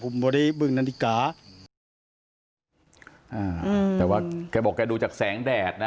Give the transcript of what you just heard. ผมไม่ได้บึงนาฬิกาอ่าอืมแต่ว่าแกบอกแกดูจากแสงแดดนะ